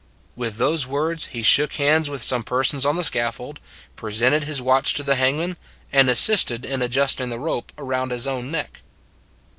With those words he shook hands with some persons on the scaffold, presented his watch to the hangman and assisted in adjusting the rope around his own neck.